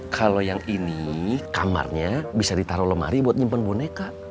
kalau yang ini kamarnya bisa ditaruh lemari buat nyimpan boneka